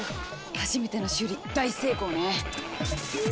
初めての修理大成功ね！